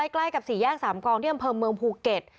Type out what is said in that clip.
ใกล้กับสี่แยกสามกองที่อำเภอเมืองภูเก็ต